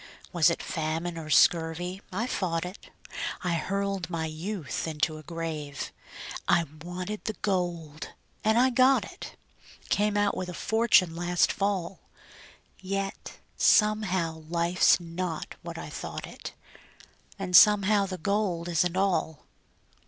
Was it famine or scurvy I fought it; I hurled my youth into a grave. I wanted the gold, and I got it Came out with a fortune last fall, Yet somehow life's not what I thought it, And somehow the gold isn't all.